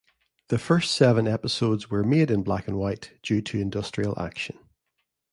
The first seven episodes were made in black-and-white due to industrial action.